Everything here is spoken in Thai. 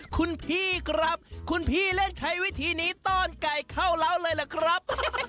คุณพี่ครับคุณพี่เล่นใช้วิธีนี้ต้อนไก่เข้าเล้าเลยล่ะครับ